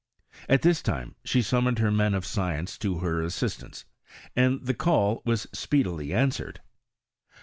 At this time she summoned hec men of science to her assistance, and the call was speedily answered.